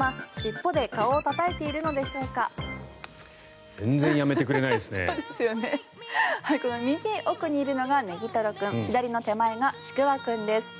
この右奥にいるのがねぎとろ君左の手前がちくわ君です。